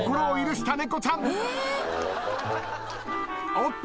おっと。